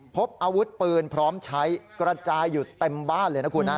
พบอาวุธปืนพร้อมใช้กระจายอยู่เต็มบ้านเลยนะคุณฮะ